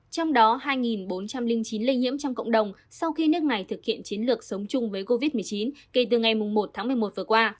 trong đó hai bốn trăm linh chín lây nhiễm trong cộng đồng sau khi nước này thực hiện chiến lược sống chung với covid một mươi chín kể từ ngày một tháng một mươi một vừa qua